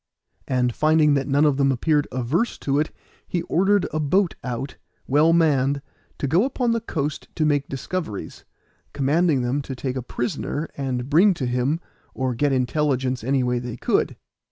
And finding that none of them appeared averse to it he ordered a boat out, well manned, to go upon the coast to make discoveries, commanding them to take a prisoner and bring to him, or get intelligence any way they could.